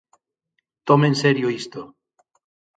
Tome en serio isto.